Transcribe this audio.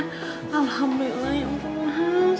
alhamdulillah ya ampun